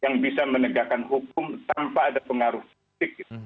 yang bisa menegakkan hukum tanpa ada pengaruh politik